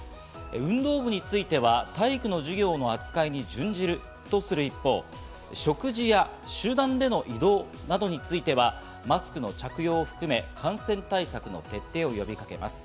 運動部については体育の授業の扱いに準じるとする一方、食事や集団での移動などについてはマスクの着用を含め、感染対策の徹底を呼びかけます。